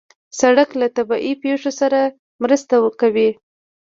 سړک له طبیعي پېښو سره مرسته کوي.